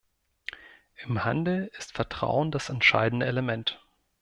Im Handel ist Vertrauen das entscheidende Element.